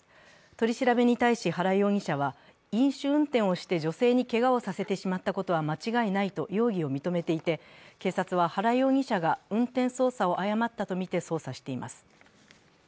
取り調べに対し原容疑者は、飲酒運転をして女性にけがをさせてしまったことは間違いないと容疑を認めていて、警察は原容疑者が運転操作を誤ったとみて捜査しています。